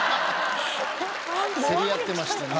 競り合ってましたね。